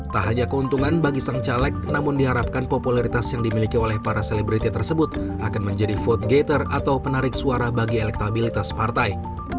tak hanya keuntungan bagi sang caleg namun diharapkan popularitas yang dimiliki oleh para selebriti tersebut akan menjadi vote gator atau penarik suara bagi elektabilitas partai